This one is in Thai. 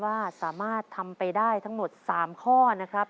ว่าสามารถทำไปได้ทั้งหมด๓ข้อนะครับ